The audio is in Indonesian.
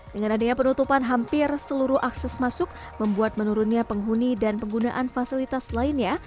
dengan adanya penutupan hampir seluruh akses masuk membuat menurunnya penghuni dan penggunaan fasilitas lainnya